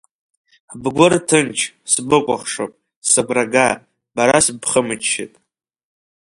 Бгәы рҭынч, сбыкәхшоуп, сыгәра га, бара сыбхымыччеит!